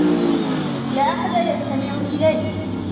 لا أحد يستمع إليّ.